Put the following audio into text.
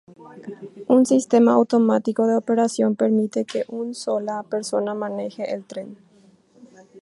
Un sistema automático de operación permite que un sola persona maneje el tren.